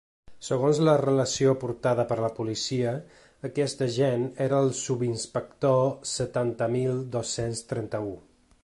Segons la relació aportada per la policia, aquest agent era el subinspector setanta mil dos-cents trenta-u.